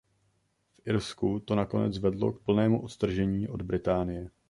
V Irsku to nakonec vedlo k plnému odtržení od Británie.